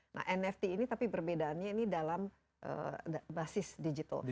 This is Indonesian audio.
nah nft ini tapi perbedaannya ini dalam basis digital